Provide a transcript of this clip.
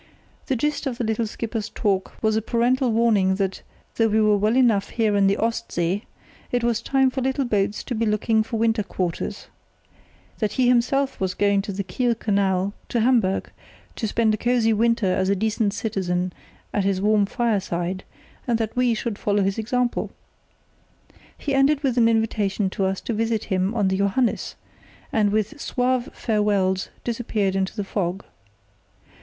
The gist of the little skipper's talk was a parental warning that, though we were well enough here in the "Ost See", it was time for little boats to be looking for winter quarters. That he himself was going by the Kiel Canal to Hamburg to spend a cosy winter as a decent citizen at his warm fireside, and that we should follow his example. He ended with an invitation to us to visit him on the Johannes, and with suave farewells disappeared into the fog.